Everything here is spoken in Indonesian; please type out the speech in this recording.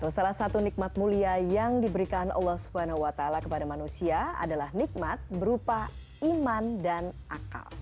salah satu nikmat mulia yang diberikan allah swt kepada manusia adalah nikmat berupa iman dan akal